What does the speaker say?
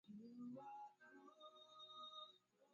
Tumia mashine ya ngOmbe ya kukokotwa kulimia